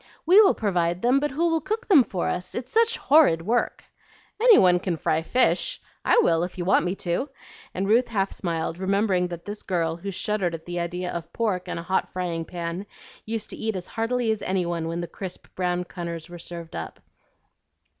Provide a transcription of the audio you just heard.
"We will provide them, but who will cook them for us? It's such horrid work." "Any one can fry fish! I will if you want me to;" and Ruth half smiled, remembering that this girl who shuddered at the idea of pork and a hot frying pan, used to eat as heartily as any one when the crisp brown cunners were served up.